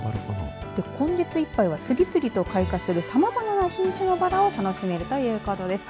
今月いっぱいは次々と開花するさまざまな品種のバラを楽しめるということです。